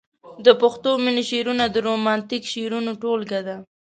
د پښتو مينې شعرونه د رومانتيک شعرونو ټولګه ده.